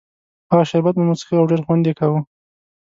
هغه شربت به مو څښه او ډېر خوند یې کاوه.